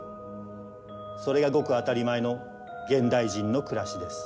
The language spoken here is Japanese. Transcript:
それがごく当たり前の現代人の暮らしです。